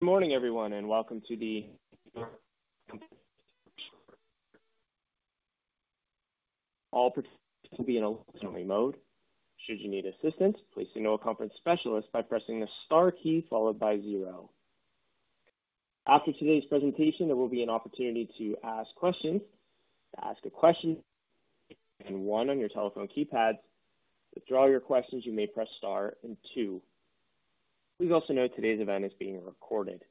Good morning, everyone, and welcome to [The New York Times Company. Meredith Kopit Levien]. All participants will be in a listening mode. Should you need assistance, please signal a conference specialist by pressing the star key followed by zero. After today's presentation, there will be an opportunity to ask questions. To ask a question, press one on your telephone keypad. To withdraw your questions, you may press star and two. Please also note today's event is being recorded.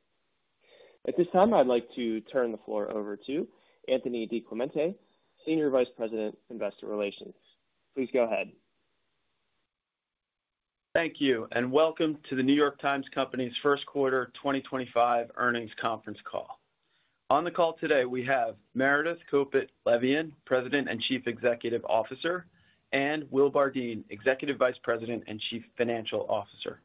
At this time, I'd like to turn the floor over to Anthony DiClemente, Senior Vice President, Investor Relations. Please go ahead. Thank you, and welcome to the New York Times Company's First Quarter 2025 Earnings Conference Call. On the call today, we have Meredith Kopit Levien, President and Chief Executive Officer, and Will Bardeen, Executive Vice President and Chief Financial Officer.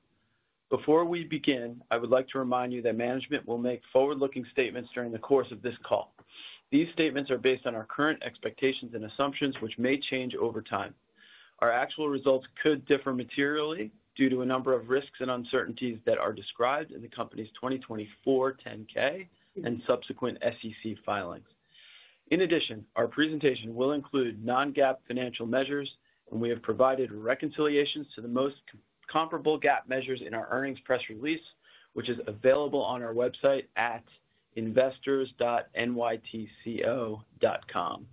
Before we begin, I would like to remind you that management will make forward-looking statements during the course of this call. These statements are based on our current expectations and assumptions, which may change over time. Our actual results could differ materially due to a number of risks and uncertainties that are described in the company's 2024 10-K and subsequent SEC filings. In addition, our presentation will include non-GAAP financial measures, and we have provided reconciliations to the most comparable GAAP measures in our earnings press release, which is available on our website at investors.nytco.com.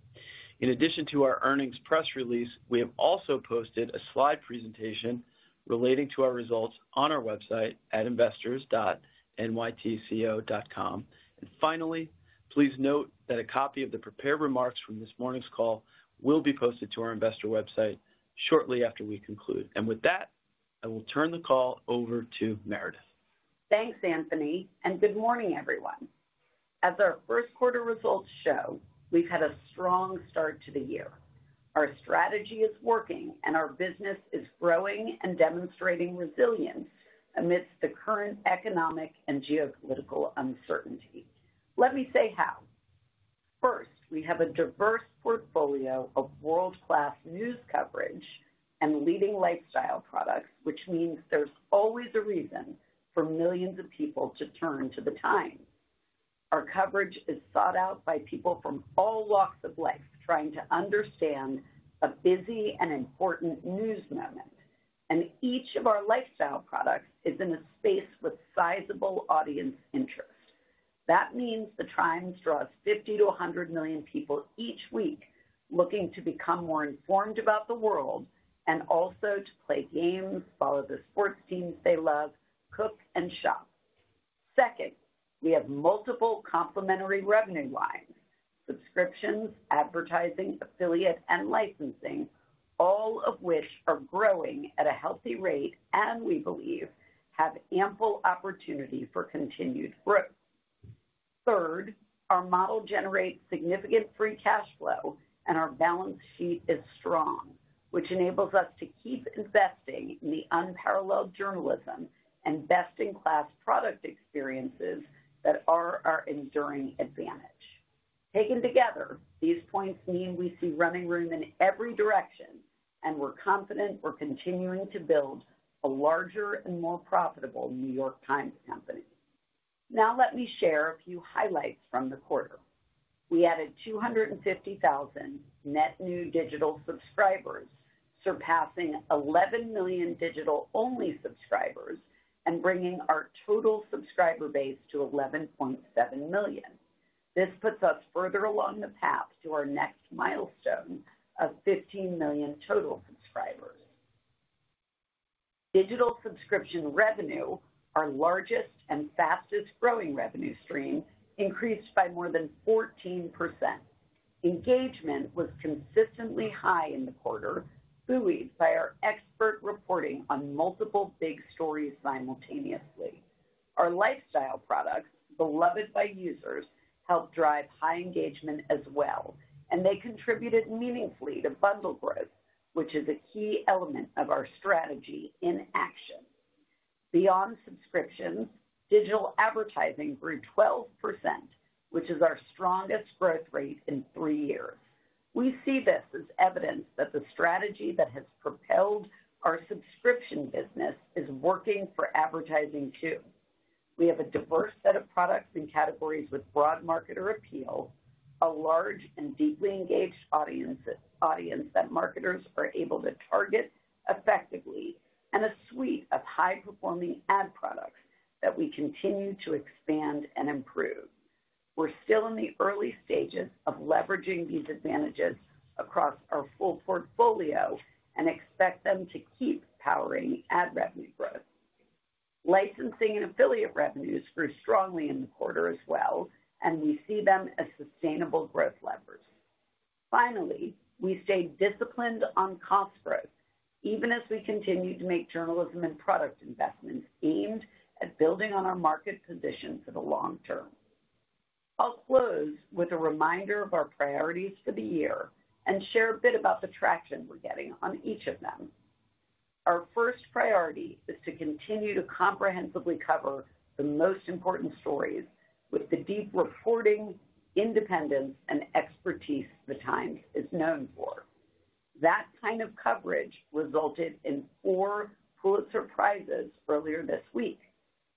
In addition to our earnings press release, we have also posted a slide presentation relating to our results on our website at investors.nytco.com. Please note that a copy of the prepared remarks from this morning's call will be posted to our investor website shortly after we conclude. With that, I will turn the call over to Meredith. Thanks, Anthony, and good morning, everyone. As our first quarter results show, we've had a strong start to the year. Our strategy is working, and our business is growing and demonstrating resilience amidst the current economic and geopolitical uncertainty. Let me say how. First, we have a diverse portfolio of world-class news coverage and leading lifestyle products, which means there's always a reason for millions of people to turn to The Times. Our coverage is sought out by people from all walks of life trying to understand a busy and important news moment. Each of our lifestyle products is in a space with sizable audience interest. That means The Times draws 50 million-100 million people each week looking to become more informed about the world and also to play games, follow the sports teams they love, cook, and shop. Second, we have multiple complementary revenue lines: subscriptions, advertising, affiliate, and licensing, all of which are growing at a healthy rate and, we believe, have ample opportunity for continued growth. Third, our model generates significant free cash flow, and our balance sheet is strong, which enables us to keep investing in the unparalleled journalism and best-in-class product experiences that are our enduring advantage. Taken together, these points mean we see running room in every direction, and we're confident we're continuing to build a larger and more profitable New York Times Company. Now, let me share a few highlights from the quarter. We added 250,000 net new digital subscribers, surpassing 11 million digital-only subscribers and bringing our total subscriber base to 11.7 million. This puts us further along the path to our next milestone of 15 million total subscribers. Digital subscription revenue, our largest and fastest-growing revenue stream, increased by more than 14%. Engagement was consistently high in the quarter, buoyed by our expert reporting on multiple big stories simultaneously. Our lifestyle products, beloved by users, helped drive high engagement as well, and they contributed meaningfully to Bundle growth, which is a key element of our strategy in action. Beyond subscriptions, digital advertising grew 12%, which is our strongest growth rate in three years. We see this as evidence that the strategy that has propelled our subscription business is working for advertising too. We have a diverse set of products and categories with broad marketer appeal, a large and deeply engaged audience that marketers are able to target effectively, and a suite of high-performing ad products that we continue to expand and improve. We're still in the early stages of leveraging these advantages across our full portfolio and expect them to keep powering ad revenue growth. Licensing and affiliate revenues grew strongly in the quarter as well, and we see them as sustainable growth levers. Finally, we stayed disciplined on cost growth, even as we continue to make journalism and product investments aimed at building on our market position for the long term. I'll close with a reminder of our priorities for the year and share a bit about the traction we're getting on each of them. Our first priority is to continue to comprehensively cover the most important stories with the deep reporting, independence, and expertise The Times is known for. That kind of coverage resulted in four Pulitzer Prizes earlier this week.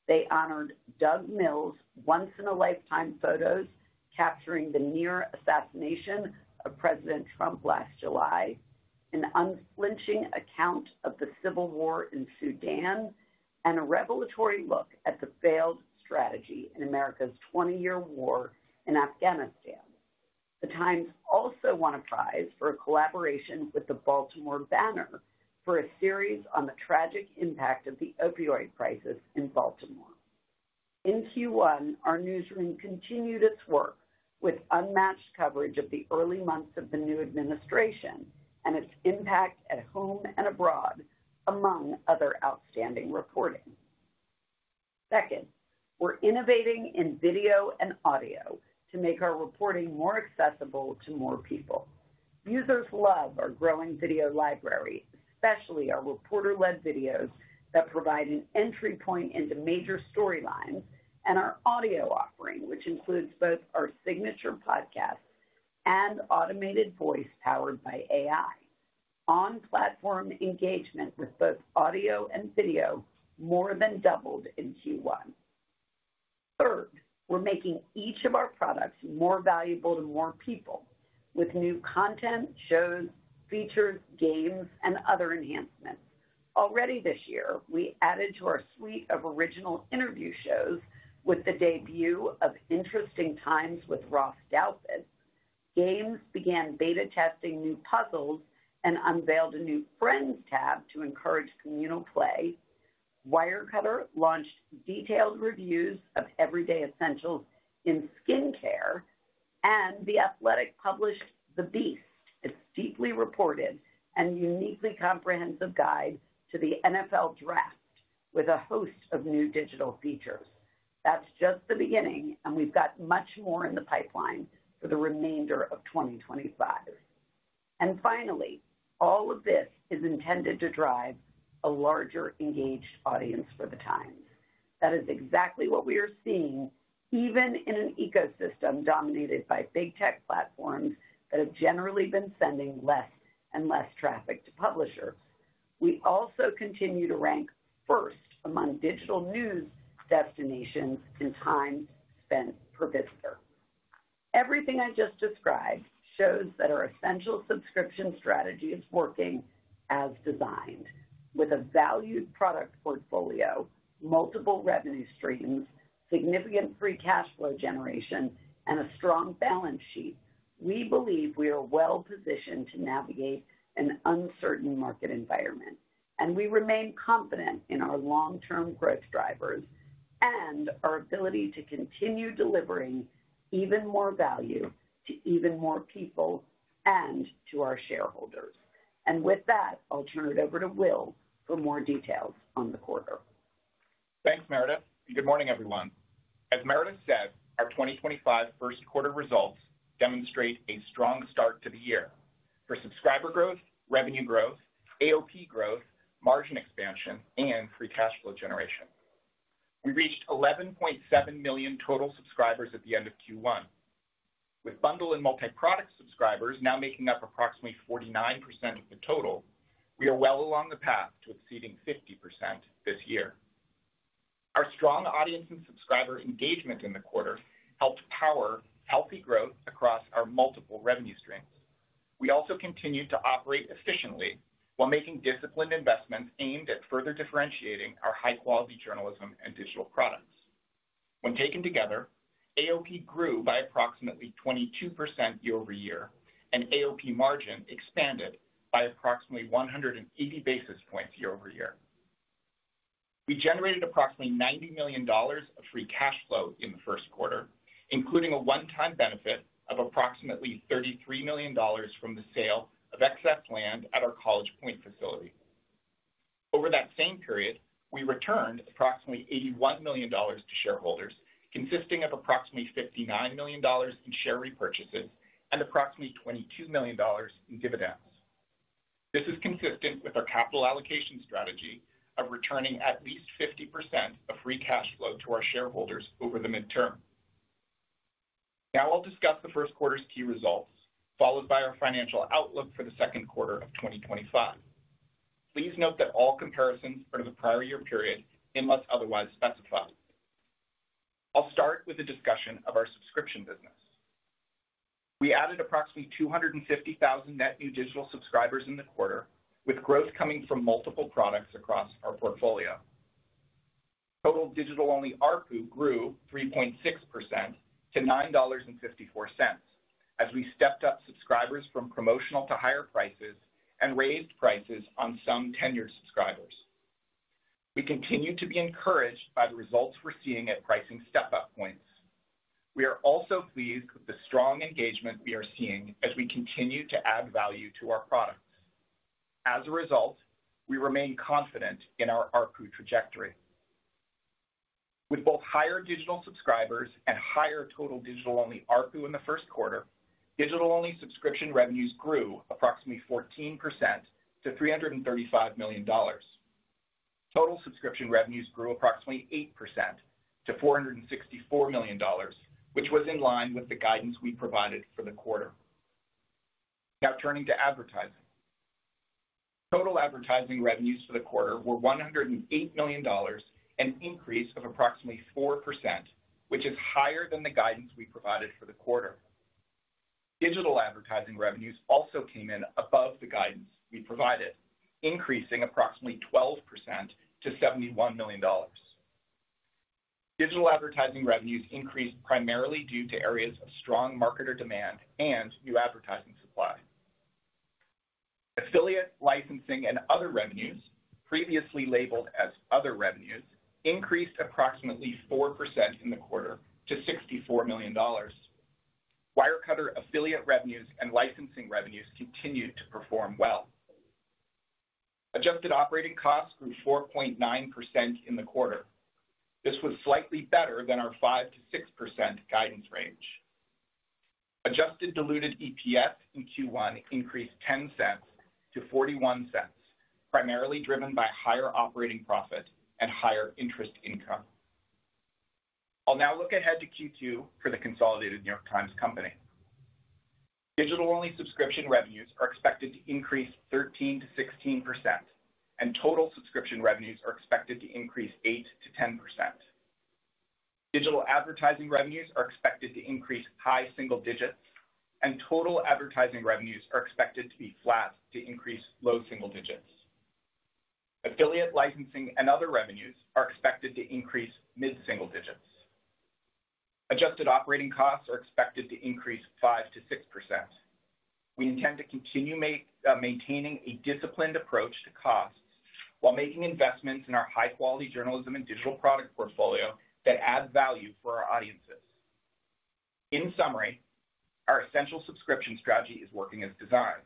They honored Doug Mills' once-in-a-lifetime photos capturing the near assassination of President Trump last July, an unflinching account of the civil war in Sudan, and a revelatory look at the failed strategy in America's 20-year war in Afghanistan. The Times also won a prize for a collaboration with The Baltimore Banner for a series on the tragic impact of the opioid crisis in Baltimore. In Q1, our newsroom continued its work with unmatched coverage of the early months of the new administration and its impact at home and abroad, among other outstanding reporting. Second, we're innovating in video and audio to make our reporting more accessible to more people. Users love our growing video library, especially our reporter-led videos that provide an entry point into major storylines, and our audio offering, which includes both our signature podcast and automated voice powered by AI. On-platform engagement with both audio and video more than doubled in Q1. Third, we're making each of our products more valuable to more people with new content, shows, features, games, and other enhancements. Already this year, we added to our suite of original interview shows with the debut of Interesting Times with Ross Douthat. Games began beta testing new puzzles and unveiled a new Friends tab to encourage communal play. Wirecutter launched detailed reviews of everyday essentials in skincare, and The Athletic published The Beast, its deeply reported and uniquely comprehensive guide to the NFL Draft, with a host of new digital features. That is just the beginning, and we have got much more in the pipeline for the remainder of 2025. Finally, all of this is intended to drive a larger engaged audience for The Times. That is exactly what we are seeing, even in an ecosystem dominated by big tech platforms that have generally been sending less and less traffic to publishers. We also continue to rank first among digital news destinations in time spent per visitor. Everything I just described shows that our essential subscription strategy is working as designed. With a valued product portfolio, multiple revenue streams, significant free cash flow generation, and a strong balance sheet, we believe we are well-positioned to navigate an uncertain market environment. We remain confident in our long-term growth drivers and our ability to continue delivering even more value to even more people and to our shareholders. With that, I'll turn it over to Will for more details on the quarter. Thanks, Meredith. Good morning, everyone. As Meredith said, our 2025 first quarter results demonstrate a strong start to the year for subscriber growth, revenue growth, AOP growth, margin expansion, and free cash flow generation. We reached 11.7 million total subscribers at the end of Q1. With Bundle and Multi-Product Subscribers now making up approximately 49% of the total, we are well along the path to exceeding 50% this year. Our strong audience and subscriber engagement in the quarter helped power healthy growth across our multiple revenue streams. We also continued to operate efficiently while making disciplined investments aimed at further differentiating our high-quality journalism and digital products. When taken together, AOP grew by approximately 22% year over year, and AOP margin expanded by approximately 180 basis points year-over-year. We generated approximately $90 million of free cash flow in the first quarter, including a one-time benefit of approximately $33 million from the sale of excess land at our College Point facility. Over that same period, we returned approximately $81 million to shareholders, consisting of approximately $59 million in share repurchases and approximately $22 million in dividends. This is consistent with our capital allocation strategy of returning at least 50% of free cash flow to our shareholders over the midterm. Now I'll discuss the first quarter's key results, followed by our financial outlook for the second quarter of 2025. Please note that all comparisons are to the prior year period unless otherwise specified. I'll start with a discussion of our subscription business. We added approximately 250,000 net new digital subscribers in the quarter, with growth coming from multiple products across our portfolio. Total digital-only ARPU grew 3.6% to $9.54 as we stepped up subscribers from promotional to higher prices and raised prices on some tenured subscribers. We continue to be encouraged by the results we're seeing at pricing step-up points. We are also pleased with the strong engagement we are seeing as we continue to add value to our products. As a result, we remain confident in our ARPU trajectory. With both higher digital subscribers and higher total digital-only ARPU in the first quarter, digital-only subscription revenues grew approximately 14% to $335 million. Total subscription revenues grew approximately 8% to $464 million, which was in line with the guidance we provided for the quarter. Now turning to advertising. Total advertising revenues for the quarter were $108 million and an increase of approximately 4%, which is higher than the guidance we provided for the quarter. Digital advertising revenues also came in above the guidance we provided, increasing approximately 12% to $71 million. Digital advertising revenues increased primarily due to areas of strong marketer demand and new advertising supply. Affiliate, licensing, and other revenues, previously labeled as other revenues, increased approximately 4% in the quarter to $64 million. Wirecutter affiliate revenues and licensing revenues continued to perform well. Adjusted Operating Costs grew 4.9% in the quarter. This was slightly better than our 5-6% guidance range. Adjusted diluted EPS in Q1 increased $0.10 to $0.41, primarily driven by higher operating profit and higher interest income. I'll now look ahead to Q2 for the consolidated New York Times Company. Digital-only subscription revenues are expected to increase 13%-16%, and total subscription revenues are expected to increase 8%-10%. Digital advertising revenues are expected to increase high single digits, and total advertising revenues are expected to be flat to increase low single digits. Affiliate, licensing, and other revenues are expected to increase mid-single digits. Adjusted operating costs are expected to increase 5%-6%. We intend to continue maintaining a disciplined approach to costs while making investments in our high-quality journalism and digital product portfolio that add value for our audiences. In summary, our essential subscription strategy is working as designed.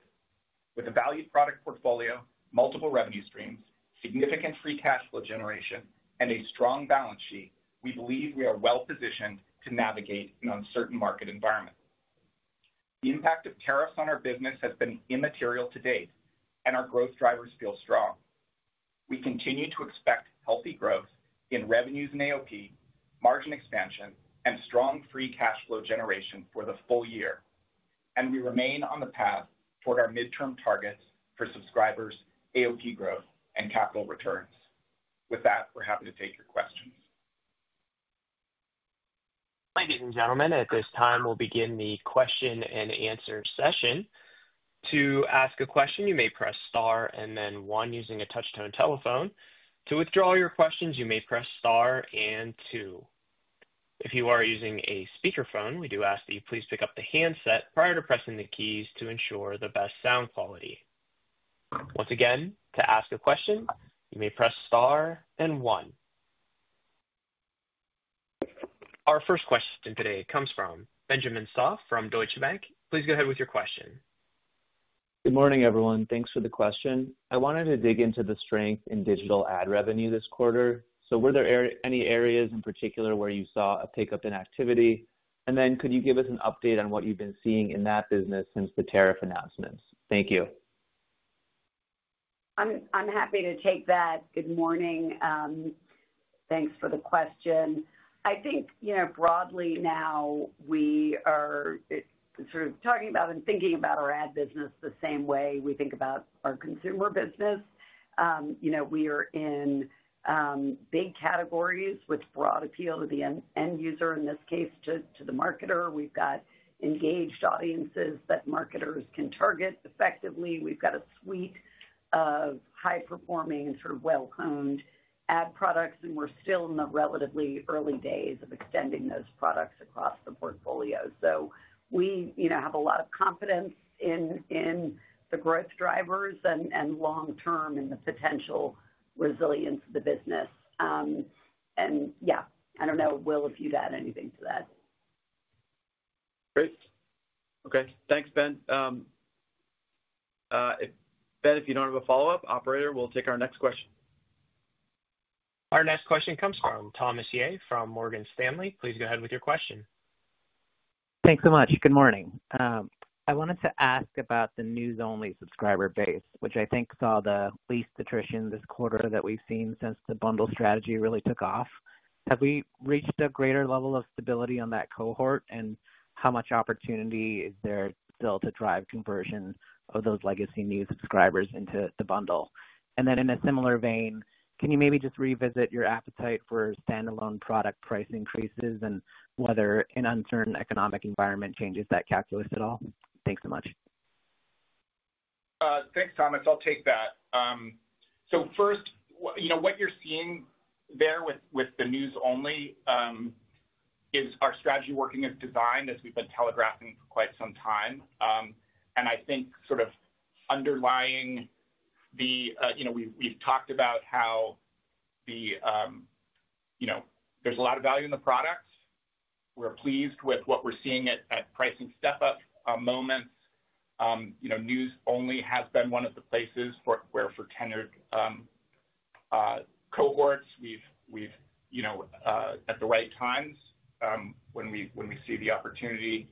With a valued product portfolio, multiple revenue streams, significant free cash flow generation, and a strong balance sheet, we believe we are well-positioned to navigate an uncertain market environment. The impact of tariffs on our business has been immaterial to date, and our growth drivers feel strong. We continue to expect healthy growth in revenues and AOP, margin expansion, and strong free cash flow generation for the full year. We remain on the path toward our midterm targets for subscribers, AOP growth, and capital returns. With that, we're happy to take your questions. Ladies and gentlemen, at this time, we'll begin the question and answer session. To ask a question, you may press Star and then one using a touch-tone telephone. To withdraw your questions, you may press Star and two. If you are using a speakerphone, we do ask that you please pick up the handset prior to pressing the keys to ensure the best sound quality. Once again, to ask a question, you may press Star and one. Our first question today comes from Benjamin Soff from Deutsche Bank. Please go ahead with your question. Good morning, everyone. Thanks for the question. I wanted to dig into the strength in digital AD revenue this quarter. Were there any areas in particular where you saw a pickup in activity? Could you give us an update on what you've been seeing in that business since the tariff announcements? Thank you. I'm happy to take that. Good morning. Thanks for the question. I think, broadly now, we are sort of talking about and thinking about our ad business the same way we think about our consumer business. We are in big categories with broad appeal to the end user, in this case, to the marketer. We've got engaged audiences that marketers can target effectively. We've got a suite of high-performing, sort of well-honed ad products, and we're still in the relatively early days of extending those products across the portfolio. We have a lot of confidence in the growth drivers and long-term in the potential resilience of the business. Yeah, I don't know, Will, if you'd add anything to that. Great. Okay. Thanks, Ben. Ben, if you do not have a follow-up, operator will take our next question. Our next question comes from Thomas Yeh from Morgan Stanley. Please go ahead with your question. Thanks so much. Good morning. I wanted to ask about the News-only subscriber base, which I think saw the least attrition this quarter that we've seen since the Bundle strategy really took off. Have we reached a greater level of stability on that cohort, and how much opportunity is there still to drive conversion of those legacy news subscribers into the Bundle? In a similar vein, can you maybe just revisit your appetite for standalone product price increases and whether, in an uncertain economic environment, that changes the calculus at all? Thanks so much. Thanks, Thomas. I'll take that. First, what you're seeing there with the News-only is our strategy working as designed as we've been telegraphing for quite some time. I think sort of underlying, we've talked about how there's a lot of value in the products. We're pleased with what we're seeing at pricing step-up moments. News-only has been one of the places where for tenured cohorts, we've, at the right times, when we see the opportunity,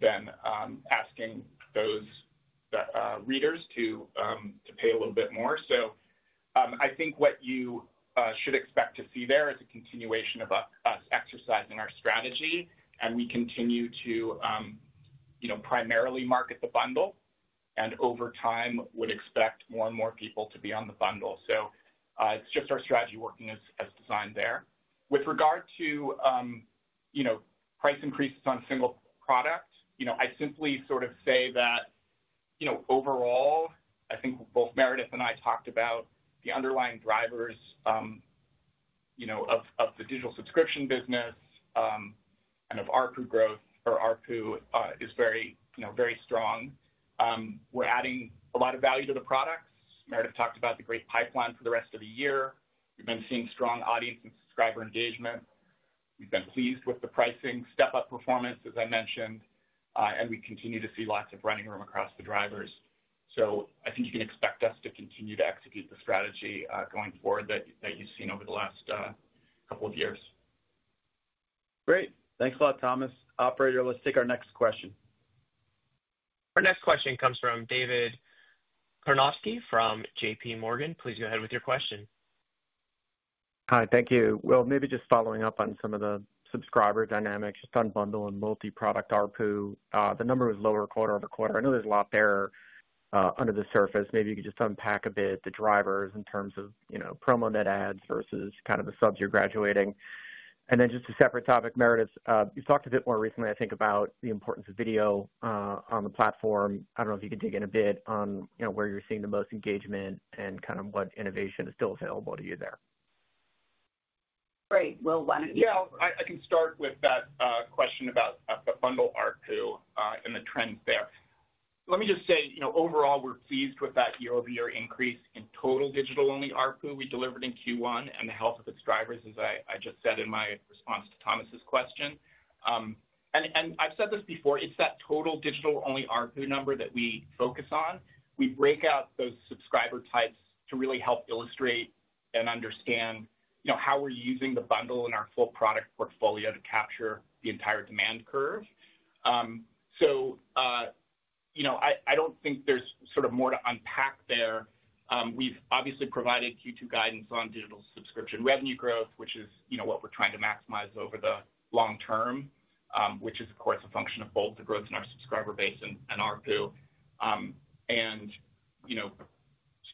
been asking those readers to pay a little bit more. I think what you should expect to see there is a continuation of us exercising our strategy, and we continue to primarily market the Bundle and over time would expect more and more people to be on the Bundle. It's just our strategy working as designed there. With regard to price increases on single product, I simply sort of say that overall, I think both Meredith and I talked about the underlying drivers of the digital subscription business and of ARPU growth, or ARPU is very strong. We're adding a lot of value to the products. Meredith talked about the great pipeline for the rest of the year. We've been seeing strong audience and subscriber engagement. We've been pleased with the pricing step-up performance, as I mentioned, and we continue to see lots of running room across the drivers. I think you can expect us to continue to execute the strategy going forward that you've seen over the last couple of years. Great. Thanks a lot, Thomas. Operator, let's take our next question. Our next question comes from David Karnovsky from JP Morgan. Please go ahead with your question. Hi, thank you. Will, maybe just following up on some of the subscriber dynamics just on Bundle and Multi-product ARPU. The number was lower quarter over quarter. I know there's a lot there under the surface. Maybe you could just unpack a bit the drivers in terms of promo net ads versus kind of the subs you're graduating. And then just a separate topic, Meredith, you've talked a bit more recently, I think, about the importance of video on the platform. I don't know if you could dig in a bit on where you're seeing the most engagement and kind of what innovation is still available to you there. Great. Will, why don't you? Yeah, I can start with that question about the Bundle ARPU and the trends there. Let me just say, overall, we're pleased with that year-over-year increase in total digital-only ARPU we delivered in Q1 and the health of its drivers, as I just said in my response to Thomas's question. And I've said this before, it's that total digital-only ARPU number that we focus on. We break out those subscriber types to really help illustrate and understand how we're using the Bundle in our full product portfolio to capture the entire demand curve. I don't think there's sort of more to unpack there. We've obviously provided Q2 guidance on digital subscription revenue growth, which is what we're trying to maximize over the long term, which is, of course, a function of both the growth in our subscriber base and ARPU.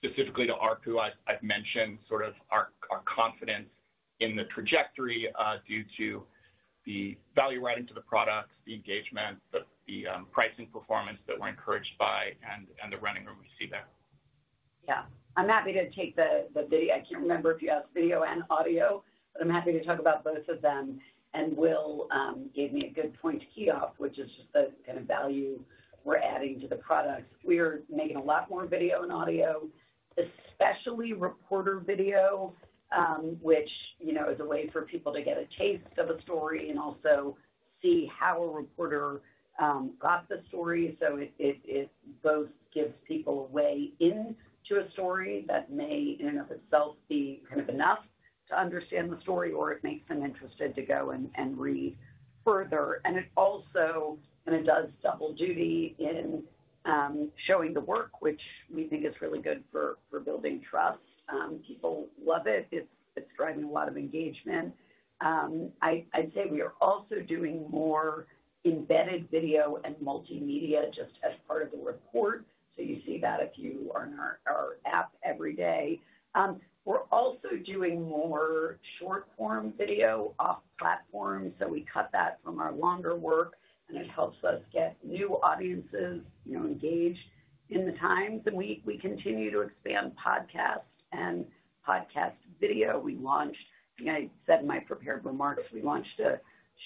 Specifically to ARPU, I've mentioned sort of our confidence in the trajectory due to the value adding to the products, the engagement, the pricing performance that we're encouraged by, and the running room we see there. Yeah. I'm happy to take the video. I can't remember if you asked video and audio, but I'm happy to talk about both of them. Will gave me a good point to key off, which is just the kind of value we're adding to the products. We are making a lot more video and audio, especially reporter video, which is a way for people to get a taste of a story and also see how a reporter got the story. It both gives people a way into a story that may in and of itself be kind of enough to understand the story, or it makes them interested to go and read further. It does double duty in showing the work, which we think is really good for building trust. People love it. It's driving a lot of engagement. I'd say we are also doing more embedded video and multimedia just as part of the report. You see that if you are in our app every day. We're also doing more short-form video off platform. We cut that from our longer work, and it helps us get new audiences engaged in The Times. We continue to expand podcast and podcast video. I said in my prepared remarks, we launched a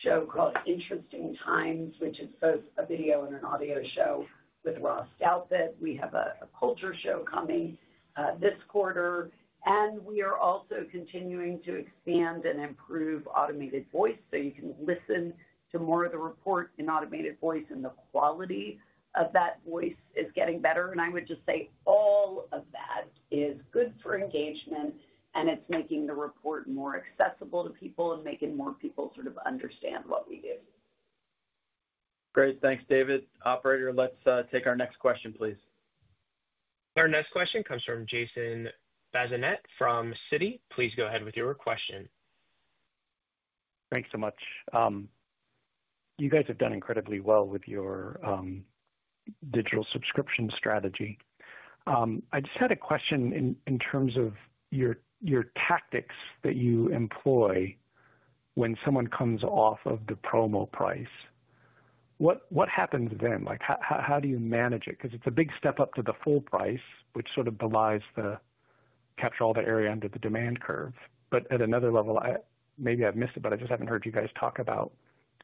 show called Interesting Times, which is both a video and an audio show with Ross Douthat. We have a culture show coming this quarter. We are also continuing to expand and improve automated voice so you can listen to more of the report in automated voice, and the quality of that voice is getting better. I would just say all of that is good for engagement, and it's making the report more accessible to people and making more people sort of understand what we do. Great. Thanks, David. Operator, let's take our next question, please. Our next question comes from Jason Bazinet from Citigroup. Please go ahead with your question. Thanks so much. You guys have done incredibly well with your digital subscription strategy. I just had a question in terms of your tactics that you employ when someone comes off of the promo price. What happens then? How do you manage it? Because it's a big step up to the full price, which sort of belies the capture all the area under the demand curve. At another level, maybe I've missed it, but I just haven't heard you guys talk about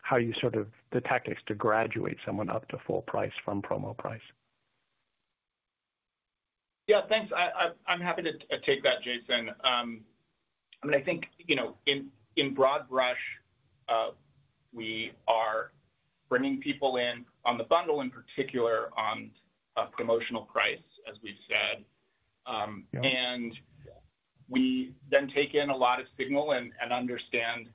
how you sort of the tactics to graduate someone up to full price from promo price. Yeah, thanks. I'm happy to take that, Jason. I mean, I think in broad brush, we are bringing people in on the Bundle in particular on promotional price, as we've said. We then take in a lot of signal and understand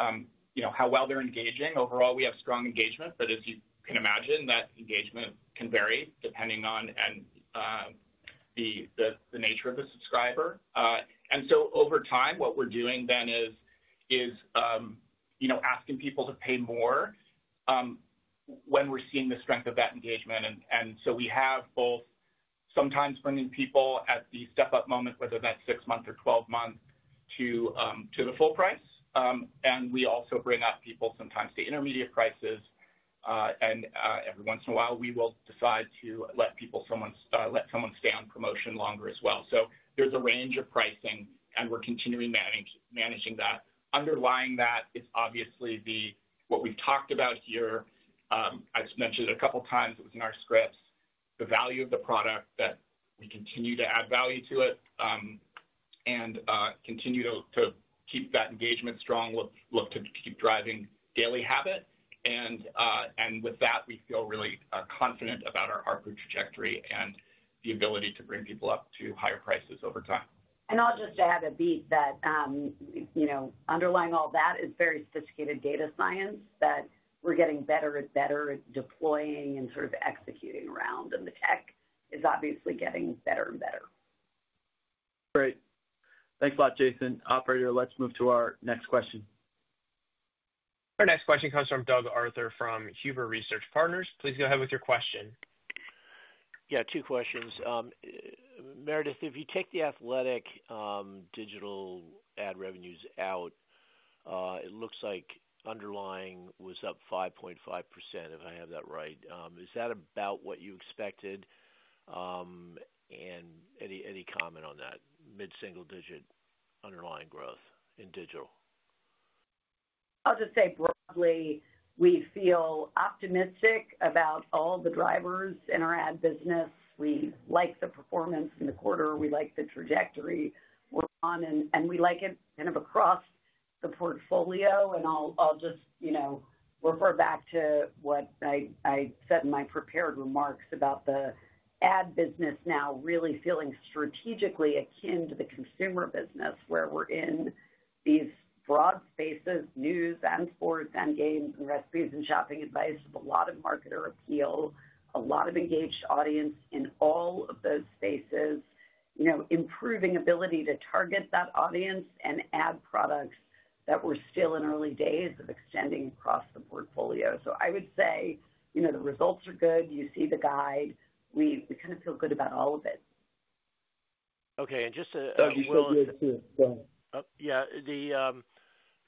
how well they're engaging. Overall, we have strong engagement, but as you can imagine, that engagement can vary depending on the nature of the subscriber. Over time, what we're doing then is asking people to pay more when we're seeing the strength of that engagement. We have both sometimes bringing people at the step-up moment, whether that's six months or 12 months, to the full price. We also bring up people sometimes to intermediate prices. Every once in a while, we will decide to let someone stay on promotion longer as well. There's a range of pricing, and we're continuing managing that. Underlying that is obviously what we've talked about here. I've mentioned it a couple of times. It was in our scripts. The value of the product that we continue to add value to it and continue to keep that engagement strong, look to keep driving daily habit. With that, we feel really confident about our ARPU trajectory and the ability to bring people up to higher prices over time. I'll just add a beat that underlying all that is very sophisticated data science that we're getting better and better at deploying and sort of executing around. The tech is obviously getting better and better. Great. Thanks a lot, Jason. Operator, let's move to our next question. Our next question comes from Doug Arthur from Huber Research Partners. Please go ahead with your question. Yeah, two questions. Meredith, if you take The Athletic digital ad revenues out, it looks like underlying was up 5.5%, if I have that right. Is that about what you expected? Any comment on that? Mid-single digit underlying growth in digital. I'll just say broadly, we feel optimistic about all the drivers in our ad business. We like the performance in the quarter. We like the trajectory we're on, and we like it kind of across the portfolio. I'll just refer back to what I said in my prepared remarks about the ad business now really feeling strategically akin to the consumer business where we're in these broad spaces, news and sports and games and recipes and shopping advice with a lot of marketer appeal, a lot of engaged audience in all of those spaces, improving ability to target that audience and add products that we're still in early days of extending across the portfolio. I would say the results are good. You see the guide. We kind of feel good about all of it. Okay. And just a. Doug, you feel good too. Go ahead. Yeah.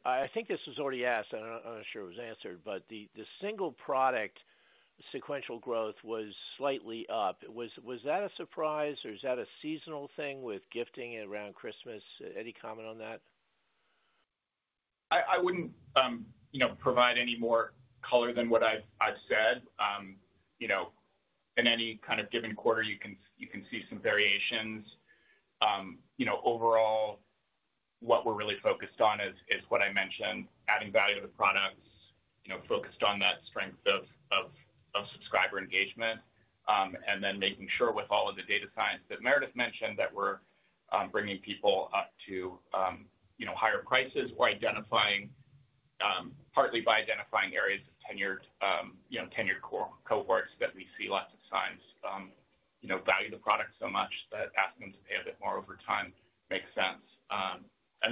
I think this was already asked. I'm not sure it was answered, but the single product sequential growth was slightly up. Was that a surprise, or is that a seasonal thing with gifting around Christmas? Any comment on that? I would not provide any more color than what I have said. In any kind of given quarter, you can see some variations. Overall, what we are really focused on is what I mentioned, adding value to the products, focused on that strength of subscriber engagement, and then making sure with all of the data science that Meredith mentioned that we are bringing people up to higher prices or identifying partly by identifying areas of tenured cohorts that we see lots of signs. Value the product so much that asking them to pay a bit more over time makes sense.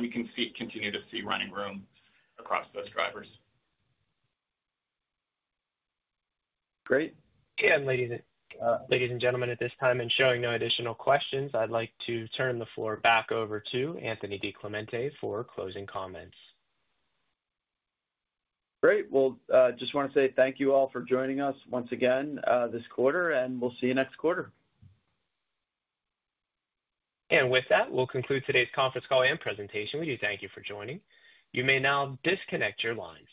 We can continue to see running room across those drivers. Great. Ladies and gentlemen, at this time, and showing no additional questions, I'd like to turn the floor back over to Anthony DiClemente for closing comments. Great. I just want to say thank you all for joining us once again this quarter, and we'll see you next quarter. With that, we'll conclude today's conference call and presentation. We do thank you for joining. You may now disconnect your lines.